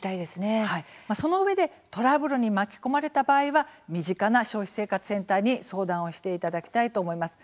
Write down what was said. そのうえでトラブルに巻き込まれた場合は身近な消費生活センターに相談をしていただきたいと思います。